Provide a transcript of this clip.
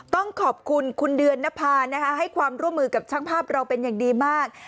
ต้องขอบคุณคุณเดือนนภานะคะให้ความร่วมมือกับช่างภาพเราเป็นอย่างดีมาก